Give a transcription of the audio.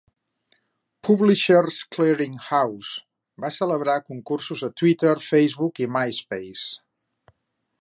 Publishers Clearing House va celebrar concursos a Twitter, Facebook i Myspace.